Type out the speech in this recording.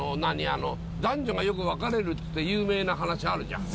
あの男女がよく別れるって有名な話あるじゃん。